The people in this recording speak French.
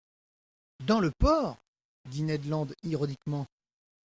—Dans le port ? dit Ned Land ironiquement.